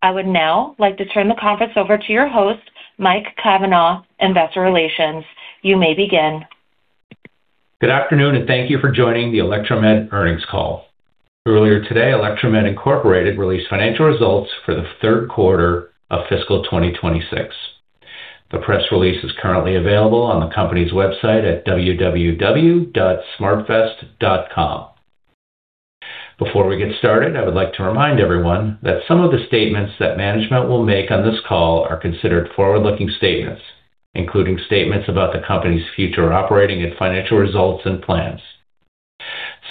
I would now like to turn the conference over to your host, Mike Cavanaugh, Investor Relations. You may begin. Good afternoon. Thank you for joining the Electromed Earnings Call. Earlier today, Electromed, Inc. released financial results for the third quarter of fiscal 2026. The press release is currently available on the company's website at www.smartvest.com. Before we get started, I would like to remind everyone that some of the statements that management will make on this call are considered forward-looking statements, including statements about the company's future operating and financial results and plans.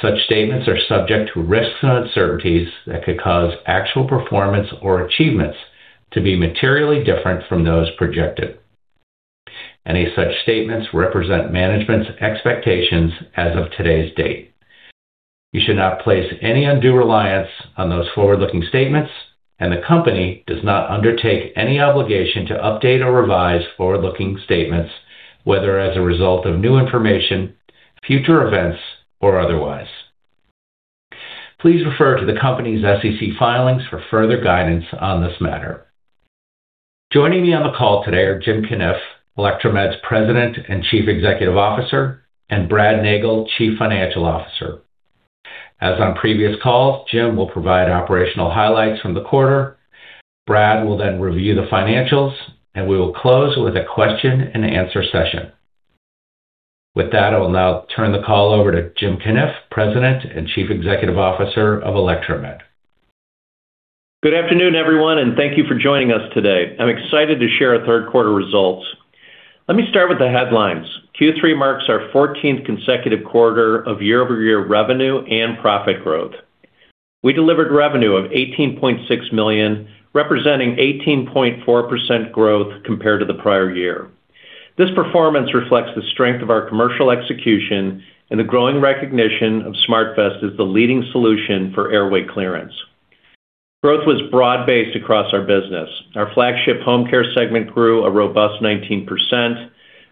Such statements are subject to risks and uncertainties that could cause actual performance or achievements to be materially different from those projected. Any such statements represent management's expectations as of today's date. You should not place any undue reliance on those forward-looking statements, and the company does not undertake any obligation to update or revise forward-looking statements, whether as a result of new information, future events, or otherwise. Please refer to the company's SEC filings for further guidance on this matter. Joining me on the call today are Jim Cunniff, Electromed's President and Chief Executive Officer, and Brad Nagel, Chief Financial Officer. As on previous calls, Jim will provide operational highlights from the quarter. Brad will then review the financials, and we will close with a question-and-answer session. With that, I will now turn the call over to Jim Cunniff, President and Chief Executive Officer of Electromed. Good afternoon, everyone, and thank thank you for joining us today. I'm excited to share our third quarter results. Let me start with the headlines. Q3 marks our 14th consecutive quarter of year-over-year revenue and profit growth. We delivered revenue of $18.6 million, representing 18.4% growth compared to the prior year. This performance reflects the strength of our commercial execution and the growing recognition of SmartVest as the leading solution for airway clearance. Growth was broad-based across our business. Our flagship home care segment grew a robust 19%.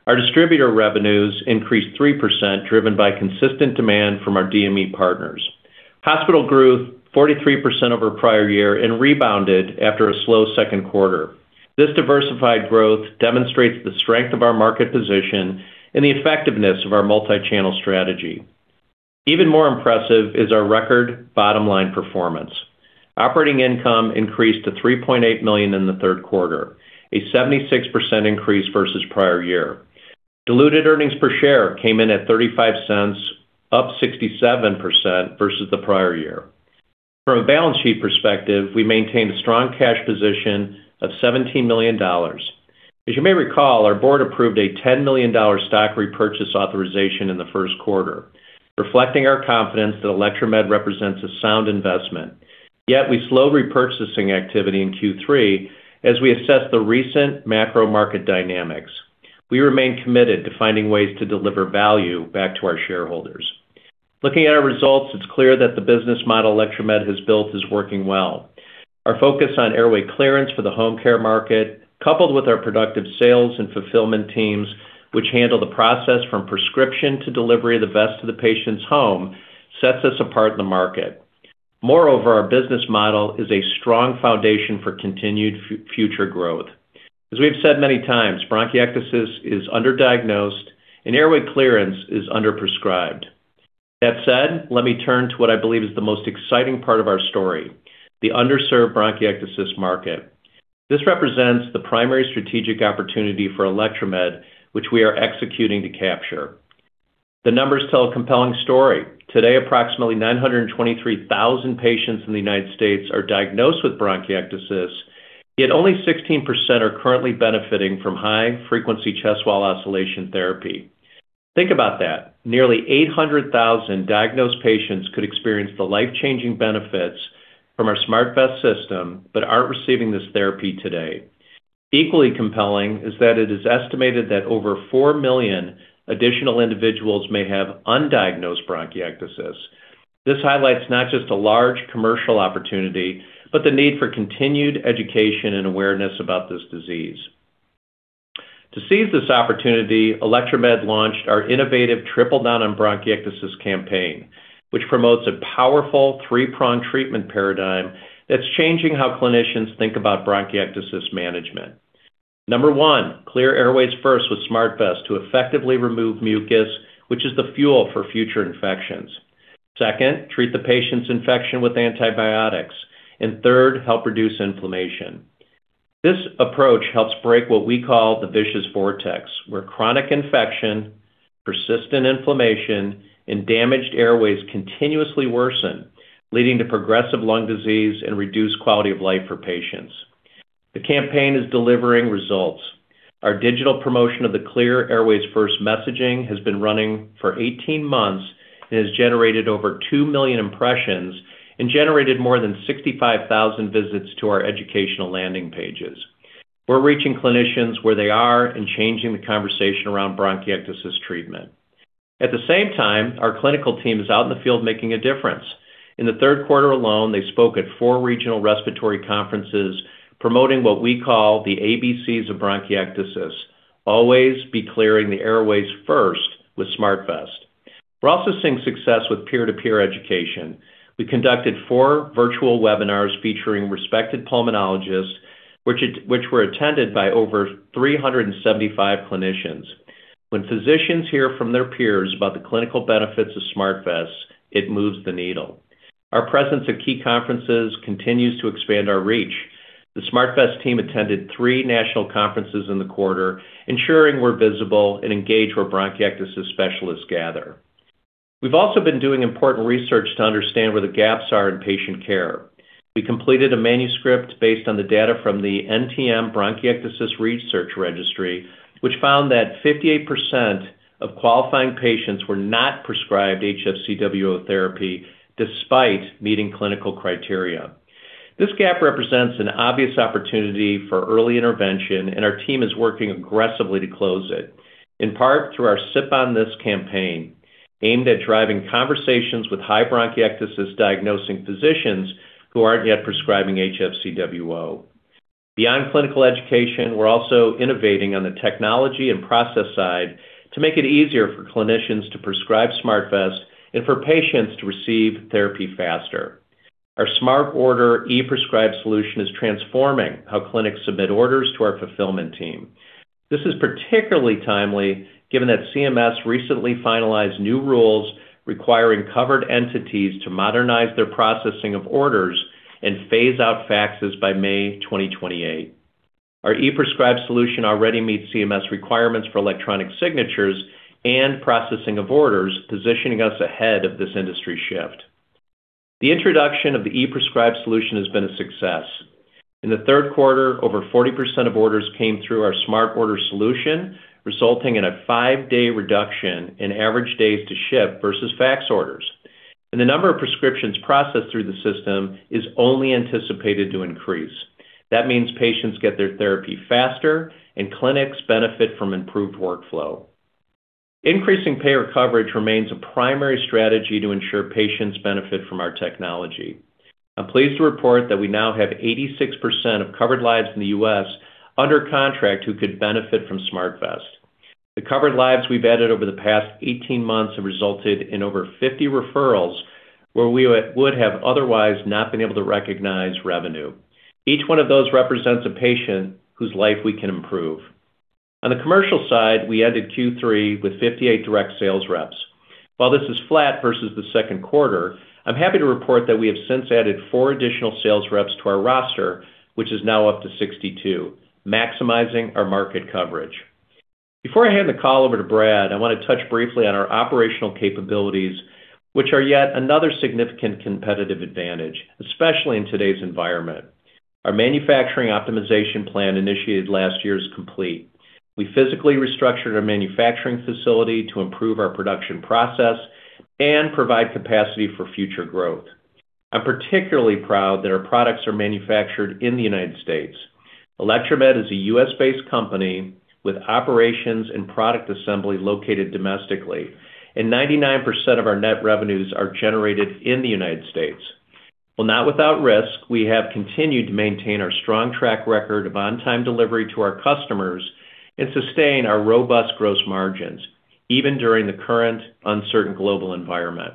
Our distributor revenues increased 3%, driven by consistent demand from our DME partners. Hospital grew 43% over prior year and rebounded after a slow second quarter. This diversified growth demonstrates the strength of our market position and the effectiveness of our multi-channel strategy. Even more impressive is our record bottom-line performance. Operating income increased to $3.8 million in the third quarter, a 76% increase versus prior year. Diluted earnings per share came in at $0.35, up 67% versus the prior year. From a balance sheet perspective, we maintained a strong cash position of $17 million. As you may recall, our board approved a $10 million stock repurchase authorization in the first quarter, reflecting our confidence that Electromed represents a sound investment. We slowed repurchasing activity in Q3 as we assess the recent macro market dynamics. We remain committed to finding ways to deliver value back to our shareholders. Looking at our results, it's clear that the business model Electromed has built is working well. Our focus on airway clearance for the home care market, coupled with our productive sales and fulfillment teams, which handle the process from prescription to delivery of the vest to the patient's home, sets us apart in the market. Our business model is a strong foundation for continued future growth. As we have said many times, bronchiectasis is underdiagnosed and airway clearance is underprescribed. That said, let me turn to what I believe is the most exciting part of our story, the underserved bronchiectasis market. This represents the primary strategic opportunity for Electromed, which we are executing to capture. The numbers tell a compelling story. Today, approximately 923,000 patients in the U.S. are diagnosed with bronchiectasis, yet only 16% are currently benefiting from high-frequency chest wall oscillation therapy. Think about that. Nearly 800,000 diagnosed patients could experience the life-changing benefits from our SmartVest system but aren't receiving this therapy today. Equally compelling is that it is estimated that over 4 million additional individuals may have undiagnosed bronchiectasis. This highlights not just a large commercial opportunity, but the need for continued education and awareness about this disease. To seize this opportunity, Electromed launched our innovative Triple Down on Bronchiectasis campaign, which promotes a powerful three-pronged treatment paradigm that's changing how clinicians think about bronchiectasis management. Number one, Clear Airways First with SmartVest to effectively remove mucus, which is the fuel for future infections. Second, treat the patient's infection with antibiotics. Third, help reduce inflammation. This approach helps break what we call the vicious vortex, where chronic infection, persistent inflammation, and damaged airways continuously worsen, leading to progressive lung disease and reduced quality of life for patients. The campaign is delivering results. Our digital promotion of the Clear Airways First messaging has been running for 18 months and has generated over 2 million impressions and generated more than 65,000 visits to our educational landing pages. We're reaching clinicians where they are and changing the conversation around bronchiectasis treatment. At the same time, our clinical team is out in the field making a difference. In the 3rd quarter alone, they spoke at four regional respiratory conferences promoting what we call the ABCs of bronchiectasis. Always be clearing the airways first with SmartVest. We're also seeing success with peer-to-peer education. We conducted four virtual webinars featuring respected pulmonologists, which were attended by over 375 clinicians. When physicians hear from their peers about the clinical benefits of SmartVest, it moves the needle. Our presence at key conferences continues to expand our reach. The SmartVest team attended three national conferences in the quarter, ensuring we're visible and engaged where bronchiectasis specialists gather. We've also been doing important research to understand where the gaps are in patient care. We completed a manuscript based on the data from the NTM Bronchiectasis Research Registry, which found that 58% of qualifying patients were not prescribed HFCWO therapy despite meeting clinical criteria. This gap represents an obvious opportunity for early intervention, and our team is working aggressively to close it, in part through our Sip On This campaign, aimed at driving conversations with high bronchiectasis diagnosing physicians who aren't yet prescribing HFCWO. Beyond clinical education, we're also innovating on the technology and process side to make it easier for clinicians to prescribe SmartVest and for patients to receive therapy faster. Our Smart Order ePrescribe solution is transforming how clinics submit orders to our fulfillment team. This is particularly timely given that CMS recently finalized new rules requiring covered entities to modernize their processing of orders and phase out faxes by May 2028. Our ePrescribe solution already meets CMS requirements for electronic signatures and processing of orders, positioning us ahead of this industry shift. The introduction of the ePrescribe solution has been a success. In the third quarter, over 40% of orders came through our Smart Order solution, resulting in a five-day reduction in average days to ship versus fax orders. The number of prescriptions processed through the system is only anticipated to increase. That means patients get their therapy faster and clinics benefit from improved workflow. Increasing payer coverage remains a primary strategy to ensure patients benefit from our technology. I'm pleased to report that we now have 86% of covered lives in the U.S. under contract who could benefit from SmartVest. The covered lives we've added over the past 18 months have resulted in over 50 referrals where we would have otherwise not been able to recognize revenue. Each one of those represents a patient whose life we can improve. On the commercial side, we ended Q3 with 58 direct sales reps. While this is flat versus the second quarter, I'm happy to report that we have since added four additional sales reps to our roster, which is now up to 62, maximizing our market coverage. Before I hand the call over to Brad, I want to touch briefly on our operational capabilities, which are yet another significant competitive advantage, especially in today's environment. Our manufacturing optimization plan initiated last year is complete. We physically restructured our manufacturing facility to improve our production process and provide capacity for future growth. I'm particularly proud that our products are manufactured in the United States. Electromed is a U.S.-based company with operations and product assembly located domestically, and 99% of our net revenues are generated in the United States. While not without risk, we have continued to maintain our strong track record of on-time delivery to our customers and sustain our robust gross margins, even during the current uncertain global environment.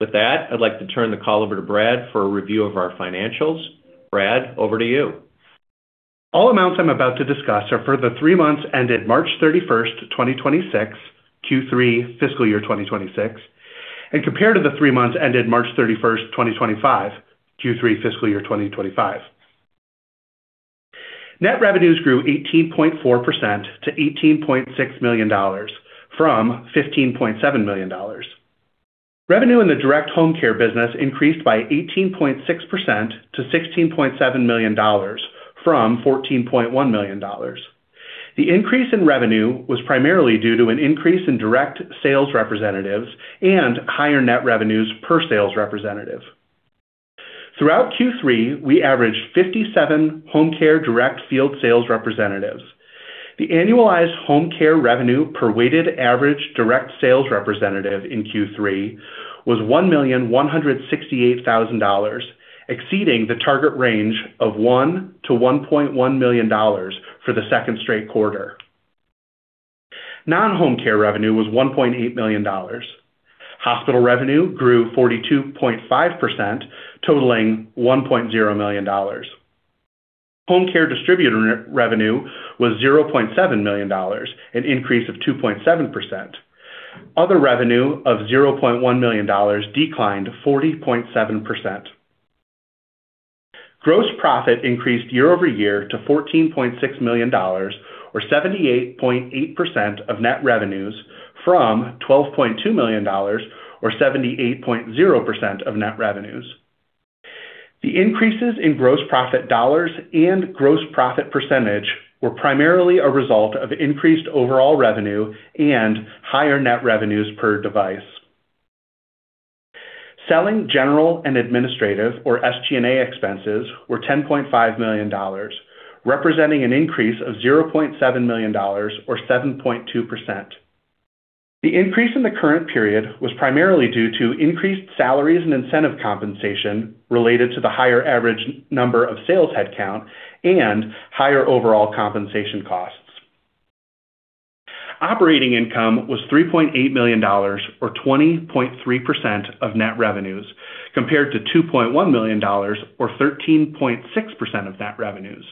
With that, I'd like to turn the call over to Brad for a review of our financials. Brad, over to you. All amounts I'm about to discuss are for the three months ended March 31st, 2026, Q3 FY 2026, and compared to the three months ended March 31st, 2025, Q3 FY 2025. Net revenues grew 18.4% to $18.6 million from $15.7 million. Revenue in the direct home care business increased by 18.6% to $16.7 million from $14.1 million. The increase in revenue was primarily due to an increase in direct sales representatives and higher net revenues per sales representative. Throughout Q3, we averaged 57 home care direct field sales representatives. The annualized home care revenue per weighted average direct sales representative in Q3 was $1,168,000, exceeding the target range of $1 million-$1.1 million for the second straight quarter. Non-home care revenue was $1.8 million. Hospital revenue grew 42.5%, totaling $1.0 million. Home care distributor re-revenue was $0.7 million, an increase of 2.7%. Other revenue of $0.1 million declined 40.7%. Gross profit increased year-over-year to $14.6 million or 78.8% of net revenues from $12.2 million or 78.0% of net revenues. The increases in gross profit dollars and gross profit percentage were primarily a result of increased overall revenue and higher net revenues per device. Selling, general, and administrative, or SG&A expenses were $10.5 million, representing an increase of $0.7 million or 7.2%. The increase in the current period was primarily due to increased salaries and incentive compensation related to the higher average number of sales headcount and higher overall compensation costs. Operating income was $3.8 million, or 20.3% of net revenues, compared to $2.1 million, or 13.6% of net revenues.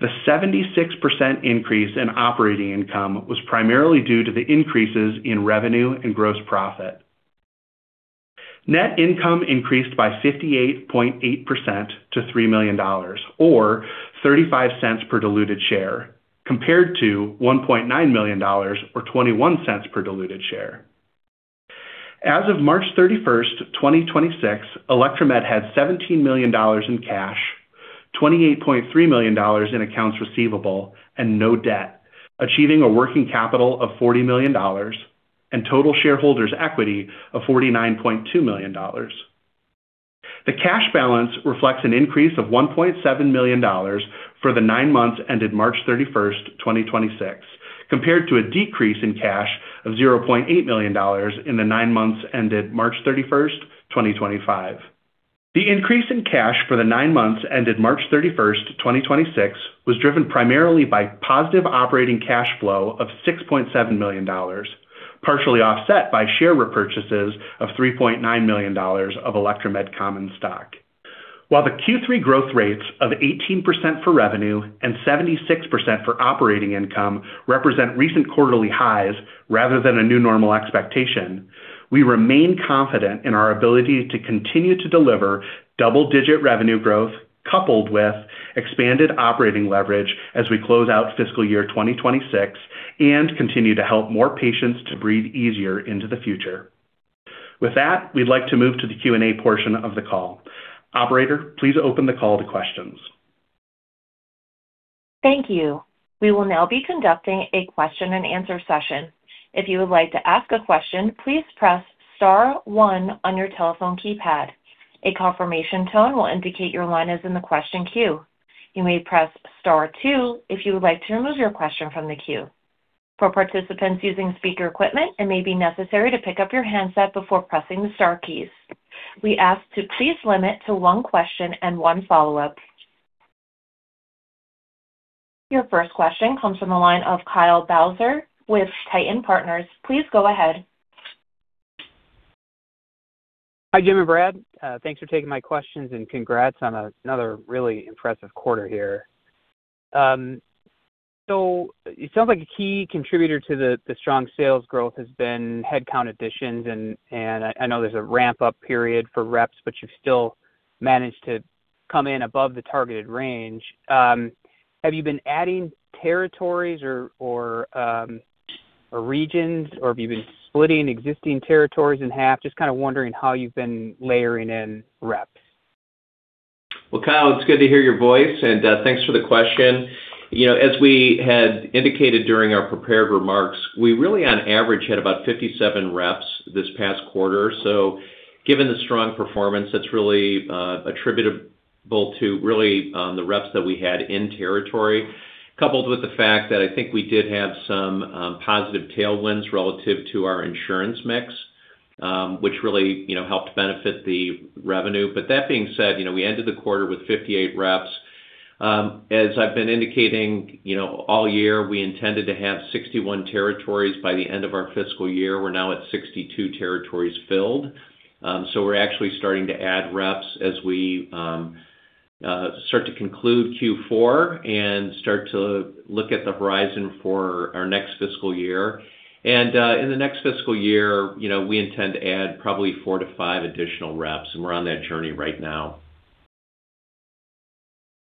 The 76% increase in operating income was primarily due to the increases in revenue and gross profit. Net income increased by 58.8% to $3 million, or $0.35 per diluted share, compared to $1.9 million or $0.21 per diluted share. As of March 31, 2026, Electromed had $17 million in cash, $28.3 million in accounts receivable and no debt, achieving a working capital of $40 million and total shareholders' equity of $49.2 million. The cash balance reflects an increase of $1.7 million for the nine months ended March 31, 2026, compared to a decrease in cash of $0.8 million in the nine months ended March 31, 2025. The increase in cash for the nine months ended March 31, 2026 was driven primarily by positive operating cash flow of $6.7 million, partially offset by share repurchases of $3.9 million of Electromed common stock. While the Q3 growth rates of 18% for revenue and 76% for operating income represent recent quarterly highs rather than a new normal expectation, we remain confident in our ability to continue to deliver double-digit revenue growth, coupled with expanded operating leverage as we close out fiscal year 2026 and continue to help more patients to breathe easier into the future. With that, we'd like to move to the Q&A portion of the call. Operator, please open the call to questions. Thank you. We will now be conducting a question and answer session. If you would like to ask a question, please press star 1 on your telephone keypad. A confirmation tone will indicate your line is in the question queue. You may press star 2 if you would like to remove your question from the queue. For participants using speaker equipment, it may be necessary to pick up your handset before pressing the star keys. We ask to please limit to one question and one follow-up. Your first question comes from the line of Kyle Bauser with Titan Partners. Please go ahead. Hi, Jim and Brad. Thanks for taking my questions, and congrats on another really impressive quarter here. It sounds like a key contributor to the strong sales growth has been headcount additions, and I know there's a ramp-up period for reps, you've still managed to come in above the targeted range. Have you been adding territories or regions, or have you been splitting existing territories in half? Just kind of wondering how you've been layering in reps. Well, Kyle, it's good to hear your voice, thanks for the question. You know, as we had indicated during our prepared remarks, we really on average had about 57 reps this past quarter. Given the strong performance, that's really attributable to really the reps that we had in territory, coupled with the fact that I think we did have some positive tailwinds relative to our insurance mix, which really, you know, helped benefit the revenue. That being said, you know, we ended the quarter with 58 reps. As I've been indicating, you know, all year, we intended to have 61 territories by the end of our fiscal year. We're now at 62 territories filled. We're actually starting to add reps as we start to conclude Q4 and start to look at the horizon for our next fiscal year. In the next fiscal year, you know, we intend to add probably four to five additional reps, and we're on that journey right now.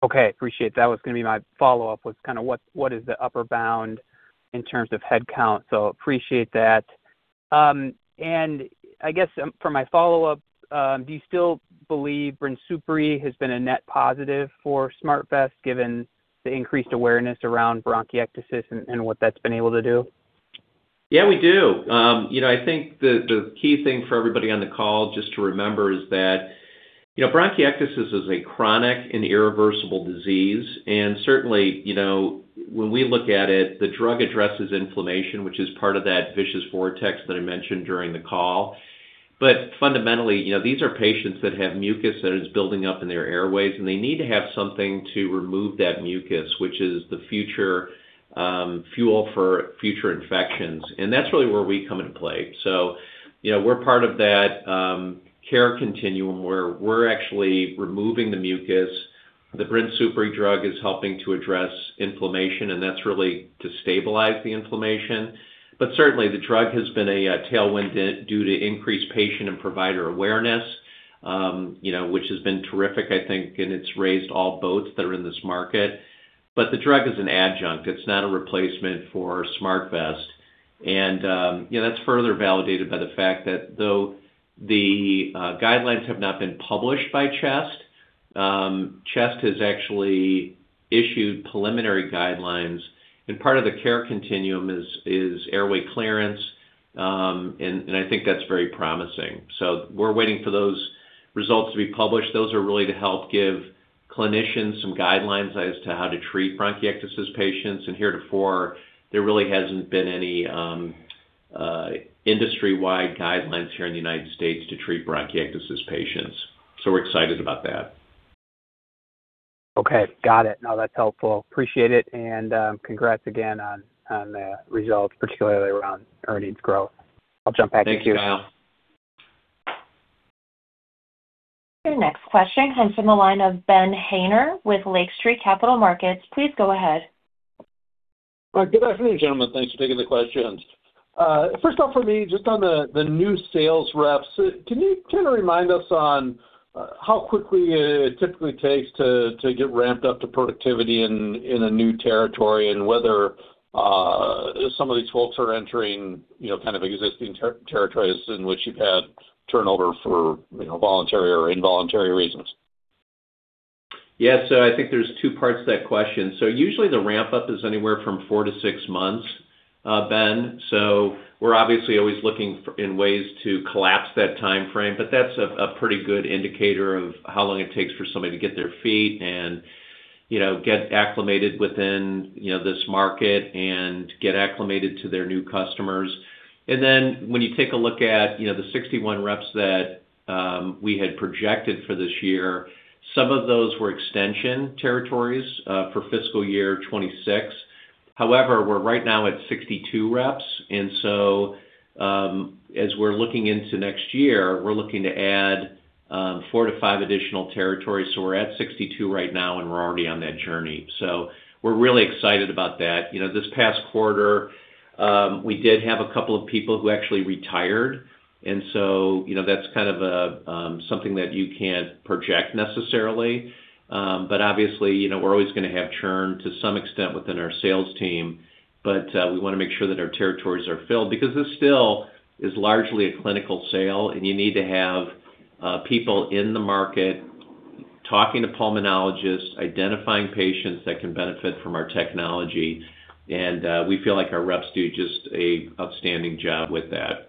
Okay. Appreciate it. That was gonna be my follow-up, was kind of what is the upper bound in terms of headcount? Appreciate that. I guess, for my follow-up, do you still believe BRINSUPRI has been a net positive for SmartVest, given the increased awareness around bronchiectasis and what that's been able to do? Yeah, we do. You know, I think the key thing for everybody on the call just to remember is that, you know, bronchiectasis is a chronic and irreversible disease. Certainly, you know, when we look at it, the drug addresses inflammation, which is part of that vicious vortex that I mentioned during the call. Fundamentally, you know, these are patients that have mucus that is building up in their airways, and they need to have something to remove that mucus, which is the future fuel for future infections. That's really where we come into play. You know, we're part of that care continuum where we're actually removing the mucus. The BRINSUPRI drug is helping to address inflammation, and that's really to stabilize the inflammation. Certainly, the drug has been a tailwind due to increased patient and provider awareness, you know, which has been terrific, I think, and it's raised all boats that are in this market. The drug is an adjunct. It's not a replacement for SmartVest. You know, that's further validated by the fact that though the guidelines have not been published by CHEST has actually issued preliminary guidelines, and part of the care continuum is airway clearance. I think that's very promising. We're waiting for those results to be published. Those are really to help give clinicians some guidelines as to how to treat bronchiectasis patients. Heretofore, there really hasn't been any industry-wide guidelines here in the U.S. to treat bronchiectasis patients, we're excited about that. Okay. Got it. No, that's helpful. Appreciate it. Congrats again on the results, particularly around earnings growth. I'll jump back in queue. Thanks, Kyle. Your next question comes from the line of Ben Haynor with Lake Street Capital Markets. Please go ahead. Good afternoon, gentlemen. Thanks for taking the questions. First off for me, just on the new sales reps, can you kinda remind us on how quickly it typically takes to get ramped up to productivity in a new territory and whether some of these folks are entering, you know, kind of existing territories in which you've had turnover for, you know, voluntary or involuntary reasons? Yeah. I think there's two parts to that question. Usually the ramp-up is anywhere from four-six months, Ben HaynOr. We're obviously always looking in ways to collapse that timeframe, but that's a pretty good indicator of how long it takes for somebody to get their feet and, you know, get acclimated within, you know, this market and get acclimated to their new customers. When you take a look at, you know, the 61 reps that we had projected for this year, some of those were extension territories for fiscal year 2026. However, we're right now at 62 reps, as we're looking into next year, we're looking to add four to five additional territories. We're at 62 right now, and we're already on that journey. We're really excited about that. You know, this past quarter, we did have a couple of people who actually retired, and so, you know, that's kind of a something that you can't project necessarily. Obviously, you know, we're always gonna have churn to some extent within our sales team, but we wanna make sure that our territories are filled because this still is largely a clinical sale and you need to have people in the market talking to pulmonologists, identifying patients that can benefit from our technology. We feel like our reps do just a outstanding job with that.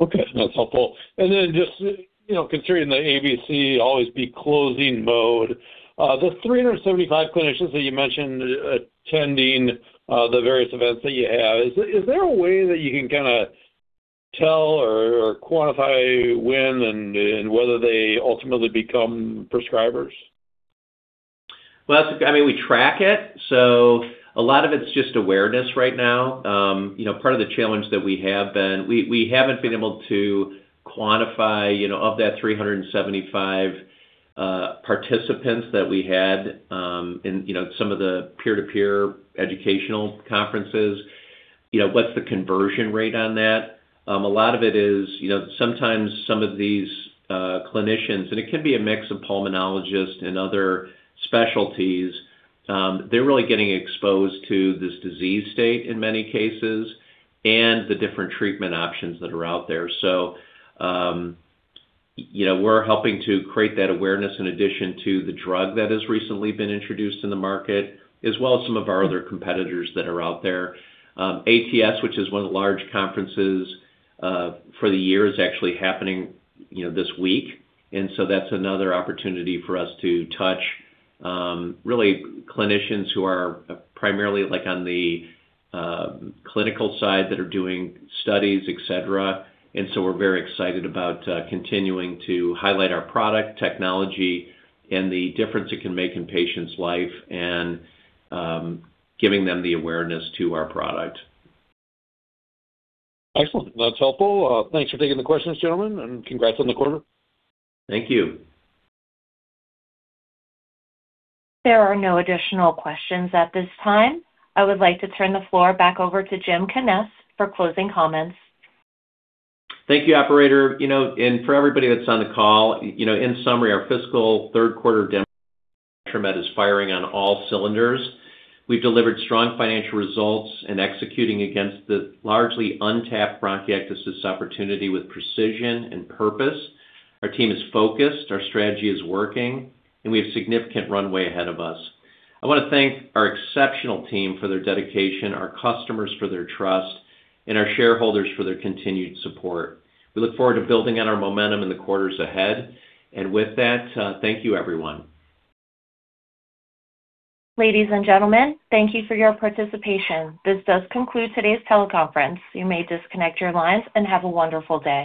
Okay. That's helpful. Then just, you know, considering the ABC, Always Be Closing mode, the 375 clinicians that you mentioned attending, the various events that you have, is there a way that you can kind of tell or quantify when and whether they ultimately become prescribers? That's, I mean, we track it. A lot of it's just awareness right now. You know, part of the challenge that we haven't been able to quantify, you know, of that 375 participants that we had, in, you know, some of the peer-to-peer educational conferences, you know, what's the conversion rate on that? A lot of it is, you know, sometimes some of these clinicians, and it can be a mix of pulmonologists and other specialties, they're really getting exposed to this disease state in many cases, and the different treatment options that are out there. You know, we're helping to create that awareness in addition to the drug that has recently been introduced in the market, as well as some of our other competitors that are out there. ATS, which is one of the large conferences for the year, is actually happening, you know, this week, that's another opportunity for us to touch really clinicians who are primarily like on the clinical side that are doing studies, et cetera. We're very excited about continuing to highlight our product technology and the difference it can make in patients' life and giving them the awareness to our product. Excellent. That's helpful. Thanks for taking the questions, gentlemen, and congrats on the quarter. Thank you. There are no additional questions at this time. I would like to turn the floor back over to Jim Cunniff for closing comments. Thank you, operator. You know, for everybody that's on the call, you know, in summary, our fiscal third quarter Electromed is firing on all cylinders. We've delivered strong financial results and executing against the largely untapped bronchiectasis opportunity with precision and purpose. Our team is focused, our strategy is working, and we have significant runway ahead of us. I wanna thank our exceptional team for their dedication, our customers for their trust, and our shareholders for their continued support. We look forward to building on our momentum in the quarters ahead. With that, thank you, everyone. Ladies and gentlemen, thank you for your participation. This does conclude today's teleconference. You may disconnect your lines and have a wonderful day.